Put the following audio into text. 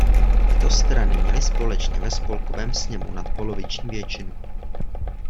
Tyto strany měly společně ve spolkovém sněmu nadpoloviční většinu.